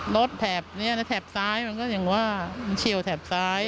รถแถบเนี้ยเนี้ยแถบซ้ายมันก็อย่างว่ามันเชียวแถบซ้ายอ่ะ